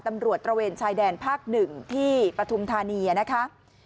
ตำรวจตระเวนชายแดนภาค๑ที่ปธุมธานียะ